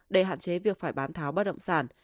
để hạn chế việc phải bán tháo bất động sản